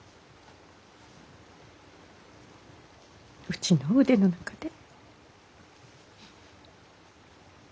うちの腕の中で。